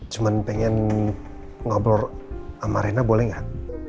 cuma pengen ngobrol sama rena boleh gak